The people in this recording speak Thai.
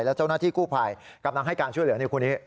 แล้วเจ้าหน้าที่กู้ภัยกำลังให้การช่วยเหลือในคนนี้